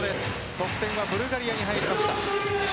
得点はブルガリアに入りました。